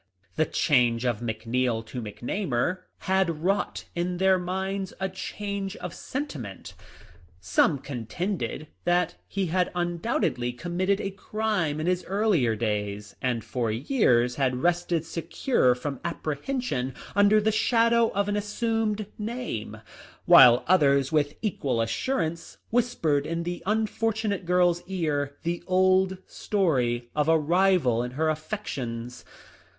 The change of McNeil to McNamar had wrought in their minds a change of sentiment. Some con tended that he had undoubtedly committed a crime in his earlier days, and for years had rested secure from apprehension under the shadow of an assumed name ; while others with equal assurance whispered in the unfortunate girl's ear the old story of a rival in her affections.